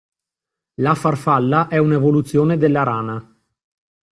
La farfalla è un'evoluzione della rana.